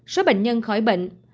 một số bệnh nhân khỏi bệnh